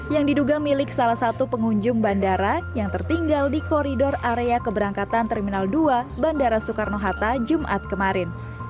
yang diduga milik salah satu pengunjung bandara yang tertinggal di koridor area keberangkatan terminal dua bandara soekarno hatta jumat kemarin